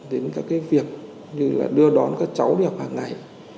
đến các cái việc như là đưa đón các cháu đi học hàng ngày